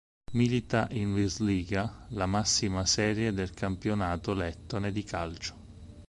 Milita in Virslīga, la massima serie del campionato lettone di calcio.